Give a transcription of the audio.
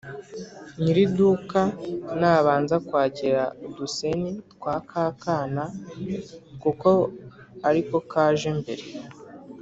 nyiriduka nabanza kwakira udusenti twa ka kana kuko ariko kaje mbere,